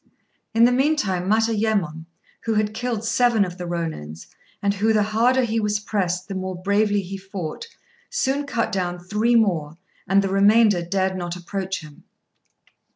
In the meantime, Matayémon, who had killed seven of the Rônins, and who the harder he was pressed the more bravely he fought, soon cut down three more, and the remainder dared not approach him.